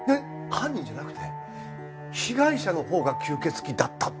犯人じゃなくて被害者のほうが吸血鬼だったって事か？